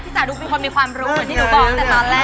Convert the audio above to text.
พี่จ๋าดูมีความมีความรู้เหมือนที่หนูบอกแต่ตอนแรก